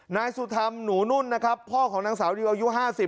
นายสุธรรมหนูนุ่นนะครับพ่อของนางสาวดิวอายุ๕๐